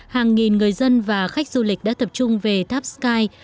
hàng nghìn người dân và khách du lịch đã tập trung về tháp sky